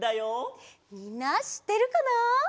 みんなしってるかな？